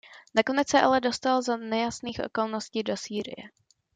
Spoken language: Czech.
Nakonec se ale dostal za nejasných okolností do Sýrie.